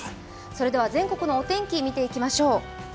それでは全国のお天気、見ていきましょう。